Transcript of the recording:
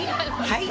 はい？